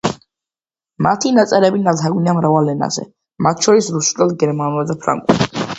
მისი ნაწერები ნათარგმნია მრავალ ენაზე, მათშორის რუსულად, გერმანულად და ფრანგულად.